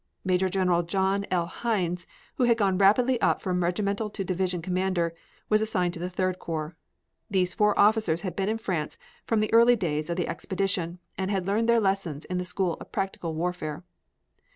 Major General John L. Hines, who had gone rapidly up from regimental to division commander, was assigned to the Third Corps. These four officers had been in France from the early days of the expedition and had learned their lessons in the school of practical warfare.